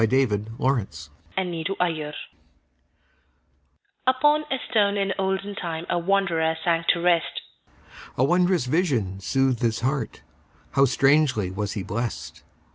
Isaacs Pillow and Stone UPON a stone in olden timeA wanderer sank to rest.A wondrous vision soothed his heartHow strangely was he blessed!